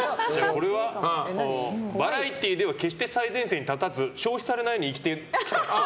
俺はバラエティでは決して最前線に立たず消費されないように生きてきたっぽい。